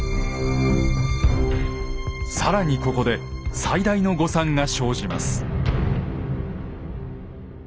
更にここで最大の誤算が生じます。